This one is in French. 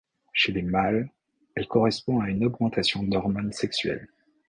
Chez les mâles, elle correspond à une augmentation d'hormones sexuelles.